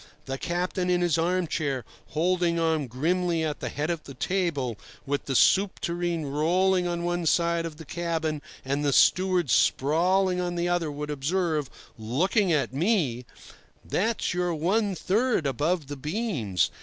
The captain in his armchair, holding on grimly at the head of the table, with the soup tureen rolling on one side of the cabin and the steward sprawling on the other, would observe, looking at me: "That's your one third above the beams.